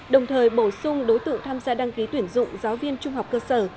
đồng thời bổ sung đối tượng tham gia đăng ký tuyển dụng giáo viên trung học cơ sở